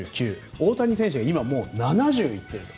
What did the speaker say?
大谷選手が今もう７０いってる。